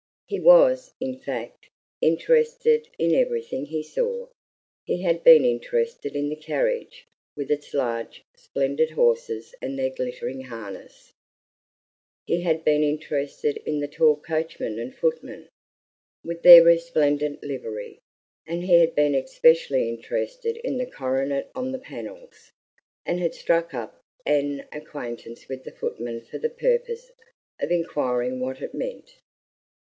He was, in fact, interested in everything he saw. He had been interested in the carriage, with its large, splendid horses and their glittering harness; he had been interested in the tall coachman and footman, with their resplendent livery; and he had been especially interested in the coronet on the panels, and had struck up an acquaintance with the footman for the purpose of inquiring what it meant.